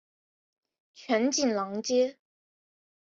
全景廊街。